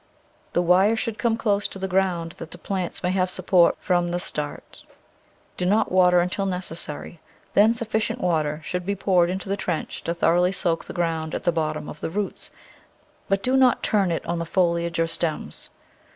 The wire should come close to the ground that the plants may have support from the start. Do not water until necessary, then sufficient water should be ' poured into the trench to thoroughly soak the ground at the bottom of the roots, but do not turn it on the foliage or stems.